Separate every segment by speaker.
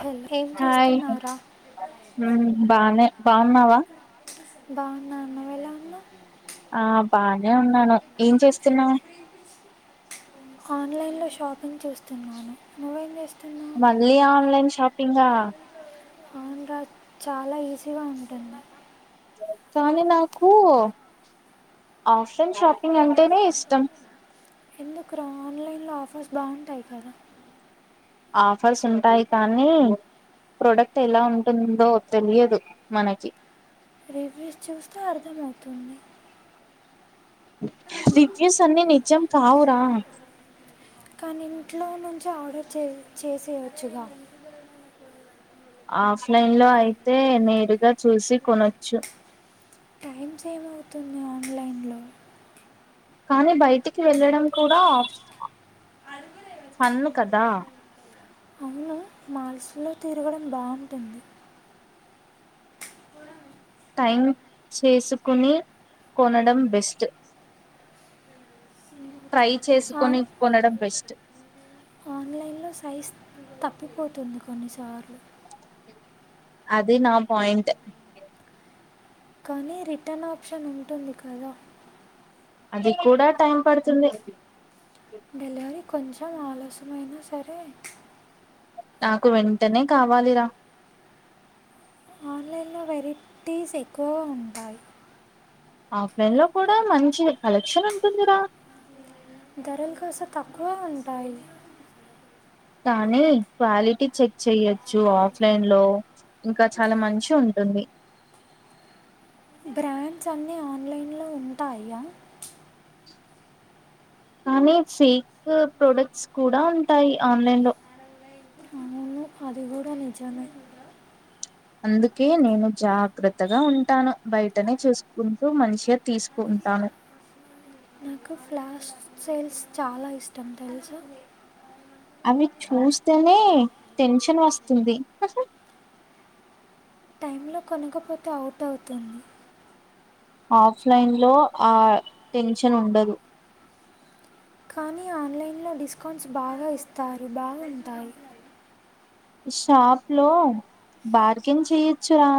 Speaker 1: Hello ఏం
Speaker 2: hi
Speaker 1: చేస్తున్నావురా
Speaker 2: మ్మ్ బానే బాగున్నావా
Speaker 1: బాగున్నా నువ్వు ఎలా వున్నావ్
Speaker 2: ఆ బానే ఉన్నాను ఏం చేస్తున్నావ్
Speaker 1: ఏం చేస్తున్నాను నువ్వేం జేస్తు
Speaker 2: మళ్ళీ ఆన్లైన్ షాపింగా
Speaker 1: అవును రా చాలా ఈజీగా ఉంటుంది
Speaker 2: కానీ నాకు ఆఫ్ లైన్ షాపింగ్ అంటేనే ఇష్టం
Speaker 1: ఎందుకు రా ఆన్లైన్లో ఆఫర్స్ బాగుంటాయి కదా
Speaker 2: ఆఫర్స్ ఉంటాయి కానీ ప్రోడక్ట్ ఎలా ఉంటుందో తెలియదు మనకి
Speaker 1: రివ్యూస్ చూస్తే అర్థమవుతుంది
Speaker 2: రివ్యూస్ అన్నీ నిజం కావురా
Speaker 1: ట్లో నుంచి ఆర్డర్ చే చేసేయొచ్చుగా
Speaker 2: ఆఫ్ లైన్ లో అయితే నేరుగా చూసి కొనొచ్చు
Speaker 1: టైమ్ సెవ్ అవుతుంది ఆన్లైన్లో
Speaker 2: కానీ బయటికి వెళ్ళడం కూడా సన్నలు కదా
Speaker 1: అవున మాల్స్ లో తిరగడం బాగుంటుంది
Speaker 2: టైం చేసుకుని కొనడం బెస్ట్ ట్రై
Speaker 1: ఆన్
Speaker 2: చేసుకుకొని కొనడం బెస్ట్ స
Speaker 1: కింద సైజు తప్పుపోతుంది కొన్నిసార్లు
Speaker 2: అది నా పాయింట్
Speaker 1: కానీ రిటర్న్ ఆప్షన్ ఉంటుంది కదా
Speaker 2: అది కూడా టైం పడుతుంది
Speaker 1: డెలివరీ కొంచెం ఆలస్యమైనా సరే
Speaker 2: నాకు వెంటనే కావాలిరా
Speaker 1: ఆన్లైన్లో వెరైటీస్ ఎక్కువ ఉంటాయి
Speaker 2: ఆఫ్లైన్ లో కూడా మంచి కలెక్షన్ ఉంటుందిరా
Speaker 1: ధరలు కాస్త తక్కువ ఉంటాయి
Speaker 2: పానీ వ్యాలిట్ చెక్ చెయొచ్చు ఆఫ్లైన్ లో ఇంకా చాలా మంచి ఉంటుంది
Speaker 1: కొన్ని ఆన్లైన్లో ఉంటాయా
Speaker 2: కానీ ఫేక్ ప్రొడక్ట్స్ కూడా ఉంటాయి ఆన్లైన్ లో
Speaker 1: అదిగూడ నిజామే
Speaker 2: అందుకే నేను జాగ్రత్తగా ఉంటాను బయటనే చూసుకుంటూ మంచిగా తీసుకుంటాను
Speaker 1: నాకు ఫ్లాస్ సేల్స్ చాలా ఇష్టం తెలుసా
Speaker 2: అవి చూస్తేనే టెన్షన్ వస్తుంది
Speaker 1: టైంలో కొనకపోతే అవుట్ అవుతుంది
Speaker 2: ఆఫ్లైన్ లో ఆ టెన్షన్ ఉండదు
Speaker 1: కానీ ఆన్లైన్లో డిస్కౌంట్స్ బాగా ఇస్తారు బాగుంటాయి
Speaker 2: షాప్ లో బార్గెన్ చేయచ్చురా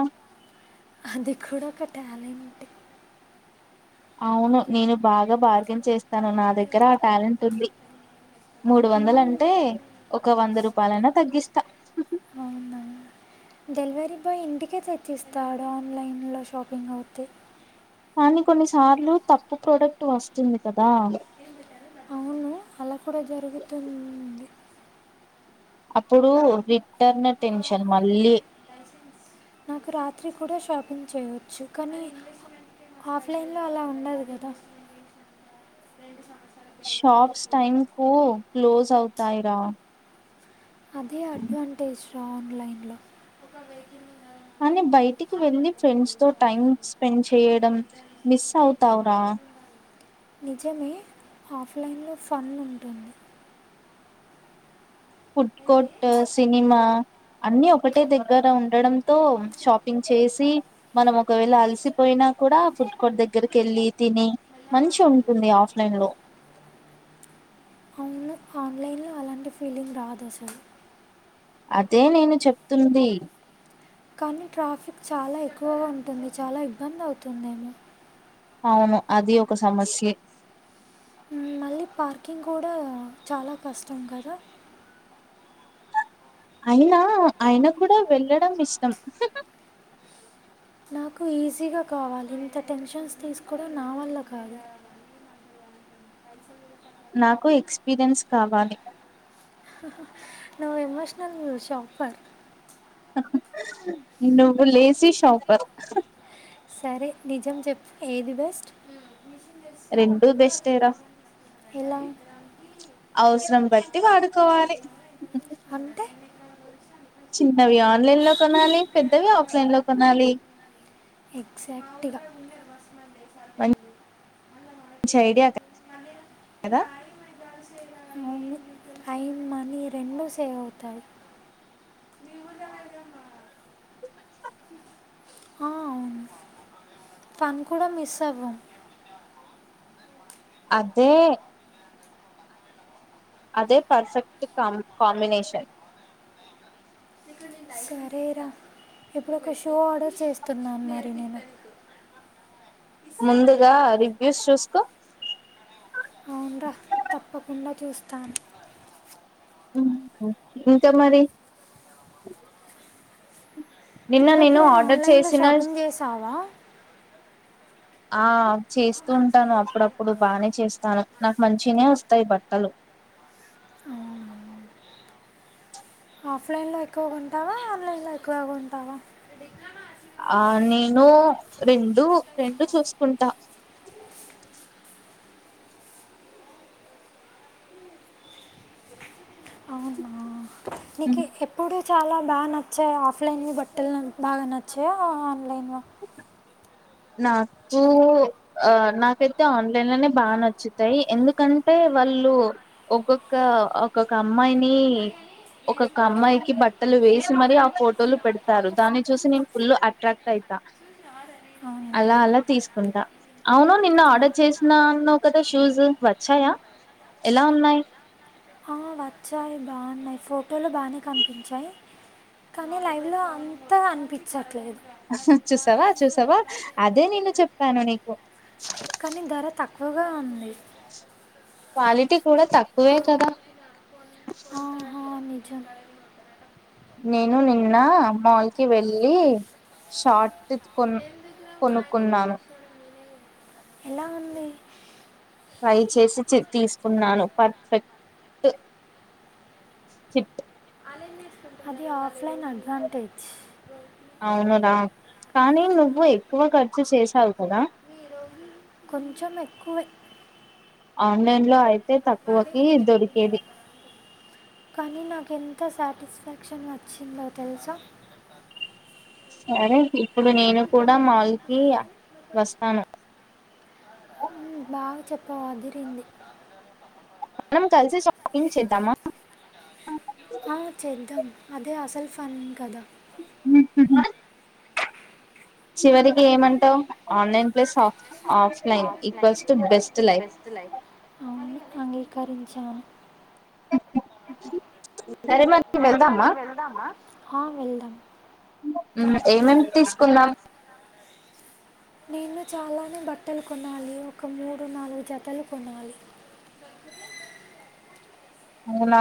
Speaker 1: అది కూడా ఒక టాలెంట్
Speaker 2: అవును నేను బాగా బార్గెన్ చేస్తాను నా దగ్గర ఆ టాలెంట్ ఉంది మూడు వందలు అంటే ఒక్ ఒక వంద రూపాయలైనా తగ్గిస్తా
Speaker 1: అవునా డెలివరీ బాయ్ ఇంటికే తెచ్చిస్తాడు ఆన్లైన్లో షాపింగ్ అవుతే
Speaker 2: కానీ కొన్నిసార్లు తప్పు ప్రొడక్ట్ వస్తుంది కదా
Speaker 1: అవును అలా కూడా జరుగుతుంది
Speaker 2: అప్పుడు రిటర్న్ టెన్షన్ మళ్ళీ
Speaker 1: నాకు రాత్రి కూడా షాపింగ్ చేయచ్చు కానీ ఆఫ్లైన్లో అలా ఉండదు కదా
Speaker 2: షాప్స్ టైమ్ కు క్లోజ్ అవుతాయిరా
Speaker 1: అదే అడ్వాంటేజ్ ఆన్లైన్లో
Speaker 2: కాని బయటికి వెళ్ళి ఫ్రెండ్స్ తో టైం స్పెండ్ చేయడం మిస్ అవుతావురా
Speaker 1: నిజమే ఆఫ్లైన్లో ఫన్ ఉంటుంది
Speaker 2: ఫుడ్ కోర్ట్ సినిమా అన్ని ఒకటే దగ్గర ఉండడంతో షాపింగ్ చేసి మనం ఒకవేళ అలసిపోయినా కూడా ఫుడ్ కోర్ట్ దగ్గరికి వెళ్ళి తిని మంచి ఉంటుంది ఆఫ్లైన్ లో
Speaker 1: నాకు ఆన్లైన్లో అలాంటి ఫీలింగ్ రాదు అసలు
Speaker 2: అదే నేను చెప్తుంది
Speaker 1: కానీ ట్రాఫిక్ చాలా ఎక్కువగా ఉంటుంది చాలా ఇబ్బంది అవుతుందేమో
Speaker 2: అవును అది ఒక సమస్యే
Speaker 1: మళ్ళీ పార్కింగ్ కూడా చాలా కష్టం కదా
Speaker 2: అయినా ఆయిన కూడా వెళ్ళడం ఇష్టం
Speaker 1: నాకు ఈజీగా కావాలి ఇంత టెన్షన్స్ తీసుకోవడం నా వల్ల కాదు
Speaker 2: నాకు ఎక్స్పీరియన్స్ కావాలి
Speaker 1: నువ్ ఎమోషనల్ షాపర్
Speaker 2: నువ్వు లేజి షాపర్
Speaker 1: సరే నిజం చెప్పు ఏది బెస్ట్
Speaker 2: రెండూ బెస్ట్ ఏరా
Speaker 1: ఎలా
Speaker 2: అవస్ రంబట్ ఉత్తిగా పడుకోవాలి
Speaker 1: అంటే
Speaker 2: చిన్నవి ఆన్లైన్ లో కొనాలి పెద్దవి ఆఫ్లైన్ లో కొనాలి
Speaker 1: ఎక్సాక్టుగా
Speaker 2: మ మంచి ఐడియా కదా
Speaker 1: టైమ్ మనీ రెండు సేవ్ అవుతాయి ఆ అవును ఫన్ కూడా మిస్ అవ్వం
Speaker 2: అదే అదే పర్ఫెక్ట్ కాంబ్ కాంబినేషన్
Speaker 1: సరేరా ఇప్పుడొక షూ ఆర్డర్ చేస్తున్నాను మరి నేను
Speaker 2: ముందుగా రివ్యూస్ చూసుకో
Speaker 1: అవునురా తప్పకుండా చూస్తాను
Speaker 2: ఇంకా మరి నిన్న నేను
Speaker 1: నువ్వెప్పుడైనా
Speaker 2: ఆర్డర్
Speaker 1: ఆన్లైన్ లో
Speaker 2: చేసిన
Speaker 1: షాపింగ్ చేసావా
Speaker 2: ఆ చేస్తూ ఉంటాను అప్పుడప్పుడు బానే చేస్తాను నాకు మంచిగనేవస్తాయి బట్టలు
Speaker 1: అవునా. ఆఫ్లైన్లో ఎక్కువగా కొంటావా ఆన్లైన్లో ఎక్కువగా కొంటావా
Speaker 2: ఆ నేను రెండు రెండు చూసుకుంటా
Speaker 1: నికి ఎప్పుడు చాలా బాగా నచ్చాయి ఆఫ్లైన్వి బట్టలు బాగా నచ్చాయి ఆన్లైన్వ
Speaker 2: నాకు ఆ నాకైతే ఆన్లైన్ లనే బాగా నచ్చుతాయి ఎందుకంటే వాళ్ళు ఒక్కొక్క ఒక్కొక్క అమ్మాయిని ఒక్కొక్క అమ్మాయికి బట్టలు వేసి మరీ ఆ ఫోటోలు పెడతారు దాన్ని చూసి నేను ఫుల్ అట్రాక్ట్ అయితా
Speaker 1: అవునా
Speaker 2: అలా అలా తీసుకుంటా అవును నిన్న
Speaker 1: అవును.
Speaker 2: ఆర్డర్ చేసిన అన్నవ్ కదా షూజ్ వచ్చాయా ఎలా ఉన్నాయ్
Speaker 1: నచ్చయి బాగున్నాయి ఫోటోలో బానే కనిపించాయి కానీ లైవ్లో అంతా అనిపించట్లేదు
Speaker 2: చూసావా చూసావా అదే నేను చెప్పానూ నీకు
Speaker 1: కానీ ధర తక్కువగా ఉంది
Speaker 2: క్వాలిటీ కూడా తక్ పోయ కదా
Speaker 1: పచ్చ
Speaker 2: నేను నిన్న మాల్ కి వెళ్ళి షార్ట్ కొన్ కొనుక్కున్నాను
Speaker 1: ఎలా ఉంది
Speaker 2: ట్రై చేసి చెక్ తీసుకున్నాను పర్ఫెక్ట్ ఫిట్
Speaker 1: అది ఆఫ్లైన్ అడ్వాంటేజ్
Speaker 2: అవునురా కానీ నువ్వు ఎక్కువ ఖర్చు చేసావు కదా
Speaker 1: కొంచెం ఎక్కువె
Speaker 2: ఆన్లైన్ లో అయి
Speaker 1: కానీ నాకెన్ త సాటిస్ఫాక్షన్ వచ్చిందో తెలుసా
Speaker 2: సరే ఇప్పుడు నేను కూడా మాల్ కి వస్తాను
Speaker 1: బాగ చెప్ ఆ అదిరింది
Speaker 2: మనం కలిసి షాపింగ్ చేద్దామా
Speaker 1: ఆ చేద్దాం అదే అసలు ఫన్ కదా
Speaker 2: హు చివరికి ఏమంటావు online place of of
Speaker 1: offline equals to best life అవును అంగీకరించాను
Speaker 2: సరే మరి వెళ్దామా
Speaker 1: హా వెళ్దాం
Speaker 2: ఉ ఏమేమి తీసుకుందాం
Speaker 1: నేను చాలానే బట్టలు కొనాలి ఒక మూడు నాలుగు జతలు కొనాలి
Speaker 2: అవునా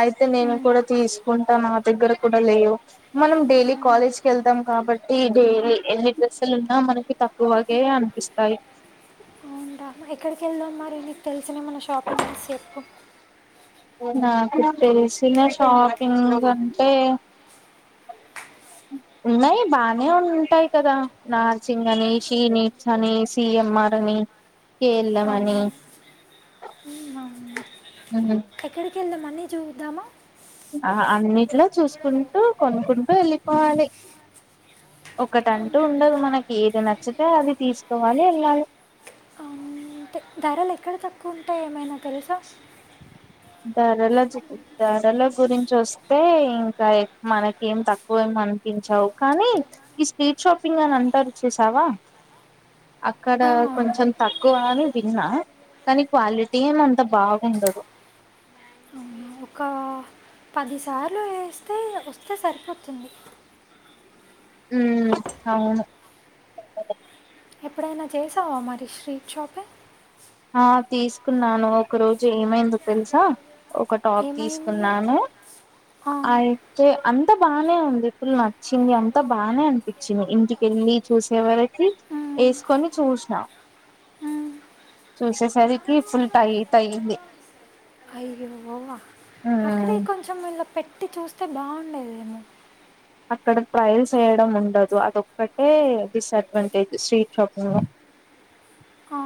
Speaker 2: అయితే నేను
Speaker 1: ఉమ్,
Speaker 2: కూడా తీస్ కుంటా నా దగ్గర కూడా లేవు మనం డైలీ
Speaker 1: అవునా
Speaker 2: కాలేజ్ కి వెళ్దాం కాబట్టి డేలీ ఎన్ని డ్రెస్సులు ఉన్నా మనకి తక్కువగే అనిపిస్తాయి
Speaker 1: ఎక్కడికెళ్దాం మరి నీకు తెలిసిన మన షాపింగ్స్ చెప్పు
Speaker 2: నాకు తెలిసిన షాపింగ్ అంటే ఉన్నాయి బానే ఉంటాయి కదా మ్యాచింగ్ అని షీ నిడ్స్ అని సిఎంఆర్ అని కె ల్ యం అని
Speaker 1: అవును ఉమ్, అవును.
Speaker 2: ఉ
Speaker 1: ఎక్కడికి వెళ్దాం అన్ని చూద్దామా
Speaker 2: ఆ అన్నిట్లో చూసుకుంటూ కొనుకుంటూ వెళ్ళిపోవాలి ఒకటంటూ
Speaker 1: అవును.
Speaker 2: ఉండదు మనకి ఏది నచ్చితే అది తీసుకోవాలి వెళ్ళాలి
Speaker 1: అంటే ధరలు ఎక్కడ తక్కువ ఉంటాయి ఏమైనా తెలుసా
Speaker 2: ధరల ధరల గురించి వస్తే ఇంకా మనకి ఏం తక్కువ ఏమనిపించావు కానీ ఈ స్ట్రీట్ షాపింగ్ అని అంటారు చూసావా అక్కడ
Speaker 1: ఆ అవును
Speaker 2: కొంచెం తక్కువ అని విన్నా కానీ క్వాలిటీ ఏమో అంత బాగుండదు
Speaker 1: అవునా ఒక పదిసార్లు వేస్తే వస్తే సరిపోతుంది
Speaker 2: ఉ అవును
Speaker 1: ఎప్పుడైనా చేసావా మరి స్ట్రీట్ షాపే
Speaker 2: ఆ తీసుకున్నాను ఒక రోజు ఏమైందో తెలుసా ఒక టాప్
Speaker 1: ఏమైంది
Speaker 2: తీసుకున్నాను
Speaker 1: ఆ,
Speaker 2: అయితే అంత బానే ఉందిప్పుులు నచ్చింది అంత బానే అనిపించింది ఇంటికెళ్ళి చూసే వరకి
Speaker 1: మ్,
Speaker 2: వేసుకొని చూసినా
Speaker 1: మ్.
Speaker 2: చూసేసరికి ఫుల్ టైట్ అయ్యింది
Speaker 1: అ అక్కడే కొంచెం ఇళ్ళ పెట్ ట్టి చూస్తే బాగుండేదేమో
Speaker 2: అక్కడ ట్రయల్స్ వేయడం ఉండదు అదొక్కటే డిస్అడ్వాంటేజ్ స్ట్రీట్ షాపింగ్ లో
Speaker 1: ఆ,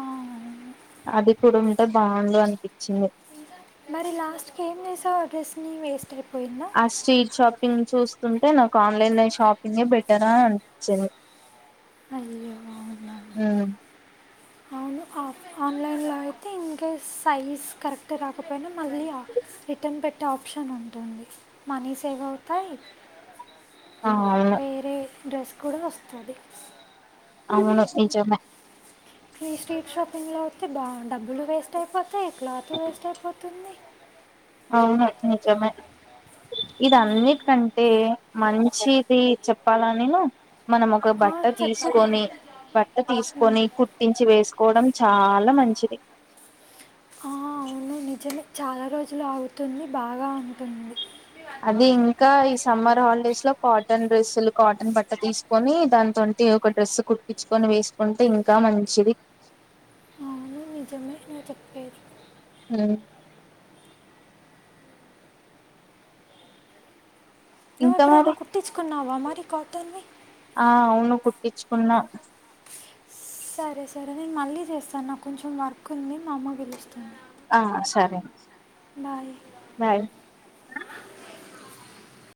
Speaker 2: అది కూడా ఉంటే బాగుండు అనిపించింది
Speaker 1: మరి లాస్ట్కి ఏం చేసావు ఆ డ్రేస్ని వేస్ట్ అయిపోయిందా
Speaker 2: ఆ స్ట్రీట్ షాప్ పింగ్ చూస్తుంటే నాకు ఆన్లైన్లో షాపింగే బెటరాని అనిపించింది
Speaker 1: అయ్యో అవునా అవును ఆన్లైన్లో అయితే ఇన్కేస్ సైజ్ కరెక్ట్ రాకపోయినా మళ్ళీ రిటర్న్ పెట్టే ఆప్షన్ ఉంటుంది మనీ సేవ్ అవుతాయి
Speaker 2: అవును
Speaker 1: వేరే డ్రెస్ కూడా వస్తది
Speaker 2: అవును అది నిజమే
Speaker 1: ఈ స్ట్రీట్ షాపింగ్లో వతే బా డబ్బులు వేస్ట్ అయిపోతాయి క్లాత్ వేస్ట్ అయిపోతుంది
Speaker 2: అవును అది నిజమే ఇది అన్నిటికంటే మంచిది చెప్పాలనిను మనం ఒక
Speaker 1: ఆ,
Speaker 2: బట్ట
Speaker 1: చెప్పురా
Speaker 2: తీసుకొని బట్ట
Speaker 1: ఉమ్.
Speaker 2: తీసుకొని కుట్టించి వేసుక కోవడం చాలా మంచిది
Speaker 1: ఆ అవును నిజమే చాలా రోజులు అగుతుంది బాగా అంటుంది
Speaker 2: అది ఇంకా ఈ సమ్మర్ హాలిడేస్ లో కాటన్ డ్రెస్సులు కాటన్ బట్ట తీసుకొని దానితోంటి ఒక డ్రెస్ కుటుపిచుకొని వేసుకుంటే ఇంకా మంచిది
Speaker 1: అవును నిజమే నువు చెప్పేది
Speaker 2: ఉ ఇంకా
Speaker 1: నువ్వెప్పుడైనా
Speaker 2: మరి
Speaker 1: కుట్టించుకున్నావా మరి కాటన్వి
Speaker 2: టిచ్చుకున్నా
Speaker 1: సరే సరే నేను మళ్ళీ చేస్తాను నాకు కొంచెం వర్క్ ఉంది మా అమ్మ పిలుస్తుంది
Speaker 2: ఆ సరే
Speaker 1: బాయ్
Speaker 2: బాయ్